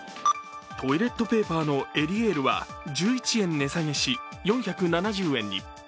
トイレットペーパーのエリエールは１１円値下げし、４７０円に。